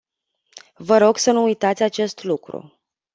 Vă rog să nu uitați acest lucru.